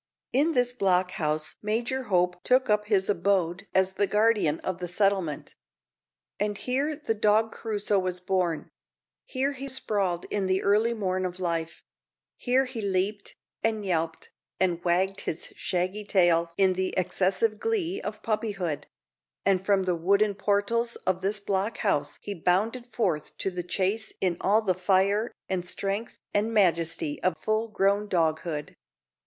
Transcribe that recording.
In this block house Major Hope took up his abode as the guardian of the settlement. And here the dog Crusoe was born; here he sprawled in the early morn of life; here he leaped, and yelped, and wagged his shaggy tail in the excessive glee of puppyhood; and from the wooden portals of this block house he bounded forth to the chase in all the fire, and strength, and majesty of full grown doghood.